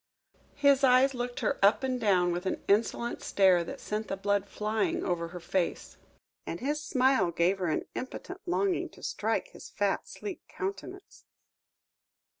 His eyes looked her up and down with an insolent stare that sent the blood flying over her face, and his smile gave her an impotent longing to strike his fat, sleek countenance.